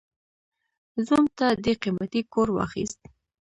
زوم ته دې قيمتي کور واخيست.